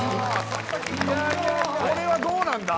これはどうなんだ？